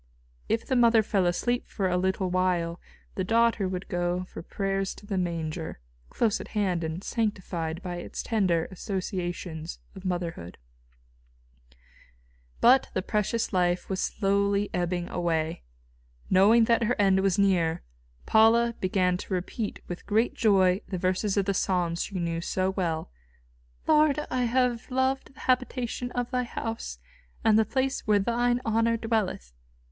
If the mother fell asleep for a little while, the daughter would go for prayers to the Manger, close at hand and sanctified by its tender associations of motherhood. But the precious life was slowly ebbing away. Knowing that her end was near, Paula began to repeat with great joy the verses of the Psalms she knew so well: "Lord, I have loved the habitation of Thy house, and the place where Thine honour dwelleth!"